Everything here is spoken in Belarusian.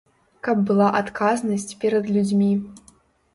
Каб была адказнасць перад людзьмі.